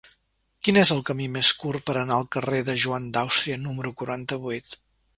Quin és el camí més curt per anar al carrer de Joan d'Àustria número quaranta-vuit?